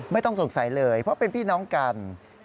ไม่ต้องสงสัยเลยเพราะเป็นพี่น้องกัน